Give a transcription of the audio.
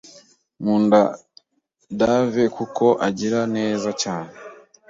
Nkunda Dave kuko agira neza cyane.